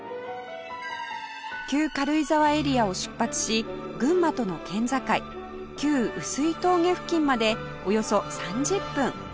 旧軽井沢エリアを出発し群馬との県境旧碓氷峠付近までおよそ３０分